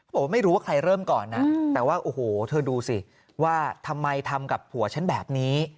บอกว่าไม่รู้ว่าใครเริ่มก่อนนะแต่ว่าโอ้โหเธอดูสิว่าทำไมทำกับผัวฉันแบบนี้